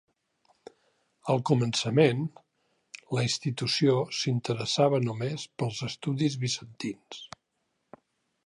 Al començament, la institució s'interessava només pels estudis bizantins.